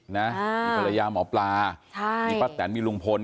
มีภรรยาหมอปลามีป้าแตนมีลุงพล